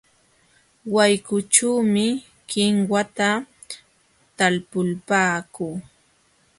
Wayqućhuumi kinwata talpupaakuu.